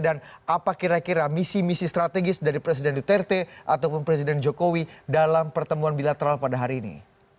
dan apa kira kira misi misi strategis dari presiden duterte ataupun presiden jokowi dalam pertemuan bilateral pada hari ini